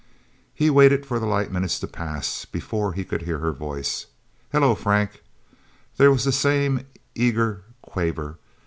He waited for the light minutes to pass, before he could hear her voice. "Hello, Frank..." There was the same eager quaver.